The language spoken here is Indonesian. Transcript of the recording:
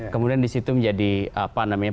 kemudian disitu menjadi apa namanya